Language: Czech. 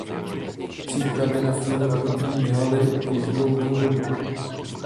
Přípravy na film probíhaly již dlouhou dobu.